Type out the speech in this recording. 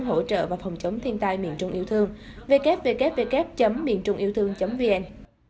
hỗ trợ và phòng chống thiên tai miền trung yêu thương www miềntrungyêuthương vn